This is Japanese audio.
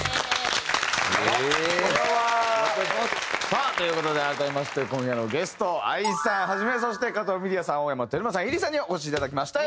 さあという事で改めまして今夜のゲストＡＩさんを始めそして加藤ミリヤさん青山テルマさんｉｒｉさんにお越しいただきました。